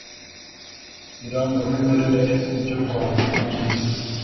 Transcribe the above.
Irangamimerere ry u Rwanda niryiza